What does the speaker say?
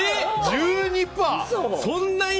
１２％！